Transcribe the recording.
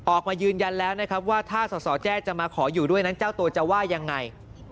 ออกมายืนยันแล้วนะครับว่าถ้าสสแจ้จะมาขออยู่ด้วยนั้นเจ้าตัวจะว่ายังไง